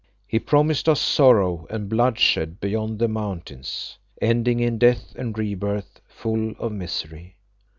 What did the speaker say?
He promised us sorrow and bloodshed beyond the mountains, ending in death and rebirths full of misery.